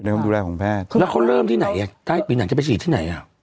ความดูแลของแพทย์แล้วเขาเริ่มที่ไหนอ่ะใกล้ปีไหนจะไปฉีดที่ไหนอ่ะ